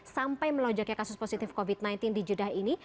sampai melonjaknya kasus positif covid sembilan belas di jeddah ini